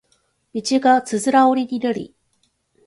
道がつづら折りになり